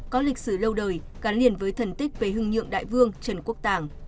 có lịch sử lâu đời gắn liền với thần tích về hưng nhượng đại vương trần quốc tàng